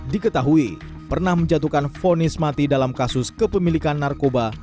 diketahui pernah menjatuhkan vonis mati dalam kasus korupsi yang terjadi di bupati mimika dan di bupati mimika di kota jawa selatan